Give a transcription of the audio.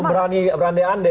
saya berani berani anda